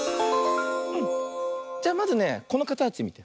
じゃあまずねこのかたちみて。